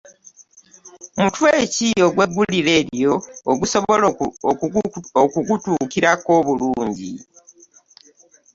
Omutwe ki ogw’eggulire eryo ogusobola okugutuukirako obulungi.